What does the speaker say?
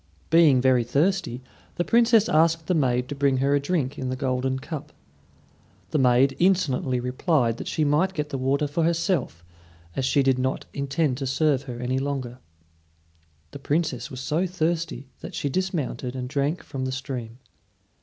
Being very thirsty, the Princess asked the maid to bring her a drink in the golden cup. The maid insolently replied that she might get the water for herself, as she did not intend to serve her any longer. The Princess was so thirsty that she dismounted and drank from the stream.